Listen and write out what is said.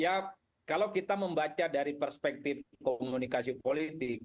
ya kalau kita membaca dari perspektif komunikasi politik